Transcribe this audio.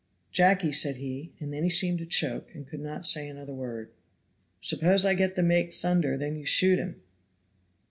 "Jacky!" said he, and then he seemed to choke, and could not say another word. "Suppose I get the make thunder, then you shoot him."